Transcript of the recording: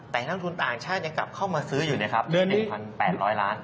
แต่นักทุนต่างชาติยังกลับเข้ามาซื้ออยู่นะครับ๑๘๐๐ล้าน